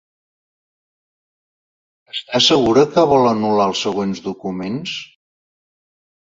Esta segura que vol anul·lar els següents documents?